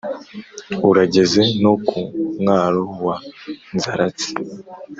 urageza no ku mwaro wa nzaratsi.